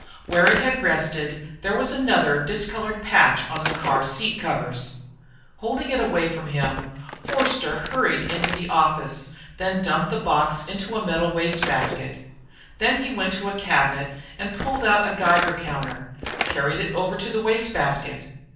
Where it had rested there was another discolored patch on the car seat covers. Holding it away from him, Forster hurried into the office, then dumped the box into a metal wastebasket. Then he went to a cabinet and pulled out a Geiger counter, carried it over to the wastebasket.